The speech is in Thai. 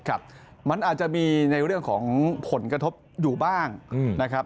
ครับมันอาจจะมีในเรื่องของผลกระทบอยู่บ้างนะครับ